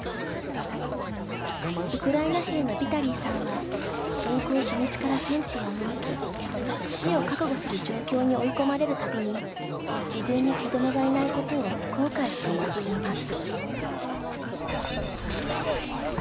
ウクライナ兵のヴィタリーさんは侵攻初日から戦地へ赴き死を覚悟する状況に追い込まれるたびに自分に子供がいないことを後悔していたといいます。